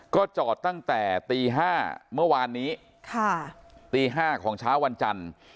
ก็จอดตั้งแต่ตี๕เมื่อวานนี้ตี๕ของเช้าวันจันทร์